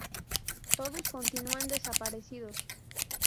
Todos continúan desaparecidos.